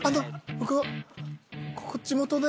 僕ここ地元で。